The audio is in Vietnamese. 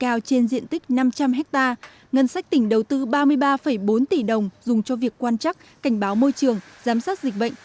các công nghệ cao trên diện tích năm trăm linh hectare ngân sách tỉnh đầu tư ba mươi ba bốn tỷ đồng dùng cho việc quan chắc cảnh báo môi trường giám sát dịch bệnh